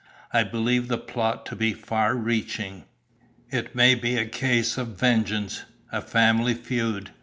I believed the plot to be far reaching. It may be a case of vengeance, a family feud.